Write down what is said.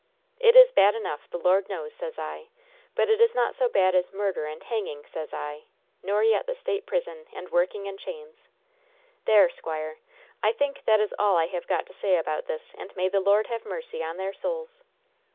It is bad enough, the Lord knows, sez I. But it is not so bad as murder and hanging, sez I, nor yet the State prison, and working in chains! There, squire, I think that is all I have got to say about this, and may the Lord have mercy on their souls!"